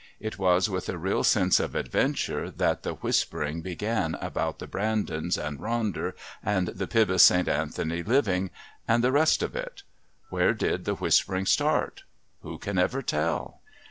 It was with a real sense of adventure that the Whispering began about the Brandons and Ronder and the Pybus St. Anthony living and the rest of it. Where did the Whispering start? Who can ever tell?